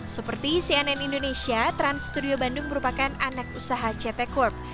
seperti cnn indonesia trans studio bandung merupakan anak usaha ct corp